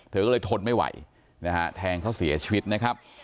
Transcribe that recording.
เธอก็เลยทนไม่ไหวนะฮะแทงเขาเสียชีวิตนะครับ